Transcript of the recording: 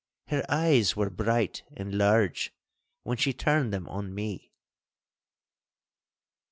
Her eyes were bright and large when she turned them on me.